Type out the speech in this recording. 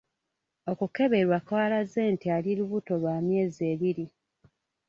Okukeberwa kwalaze nti ali lubuto lwa myezi ebiri.